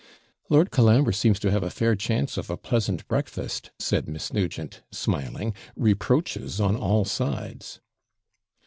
'Lord Colambre seems to have a fair chance of a pleasant breakfast,' said Miss Nugent, smiling; 'reproaches on all sides.'